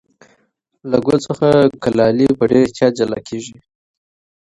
له ګل څخه کلالې په ډېر احتیاط جلا کېږي.